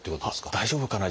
大丈夫かな？